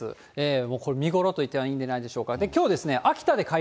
もうこれ、見頃と言ってはいいんじゃないでしょうか。